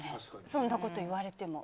そんなこと言われても。